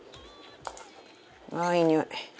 ああいいにおい。